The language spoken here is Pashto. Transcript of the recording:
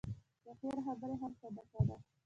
د خیر خبرې هم صدقه ده.